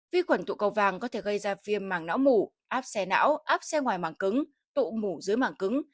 vi khuẩn tụ cầu vàng có thể gây ra viêm mảng não mủ áp xe não áp xe ngoài mảng cứng tụ mủ dưới mảng cứng